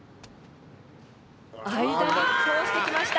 間に通してきました！